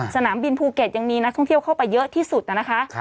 สนามบินภูเก็ตยังมีนักท่องเที่ยวเข้าไปเยอะที่สุดนะคะ